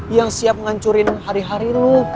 yang siap ngancurin hari hari lu